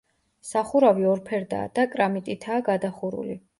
სახურავი ორფერდაა და კრამიტითაა გადახურული.